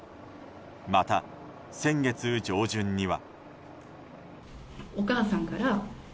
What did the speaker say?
また、先月上旬には。